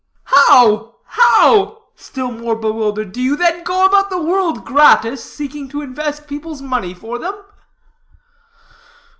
"How, how?" still more bewildered, "do you, then, go about the world, gratis, seeking to invest people's money for them?"